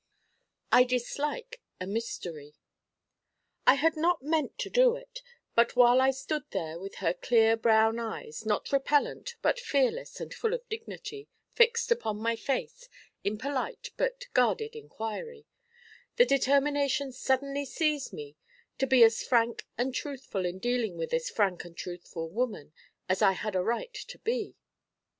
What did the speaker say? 'I DISLIKE A MYSTERY.' I had not meant to do it, but while I stood there with her clear brown eyes, not repellent but fearless and full of dignity, fixed upon my face in polite but guarded inquiry, the determination suddenly seized me to be as frank and truthful in dealing with this frank and truthful woman as I had a right to be.